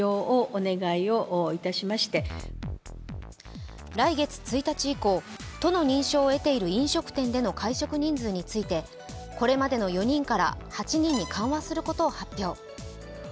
更に来月１日以降都の認証を得ている飲食店での会食人数についてこれまでの４人から８人に緩和することを発表。